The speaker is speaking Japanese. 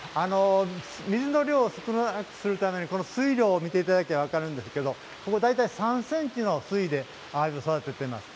水の量を少なくするために水量を見ていただくと分かるんですが３ｃｍの水位で育てています。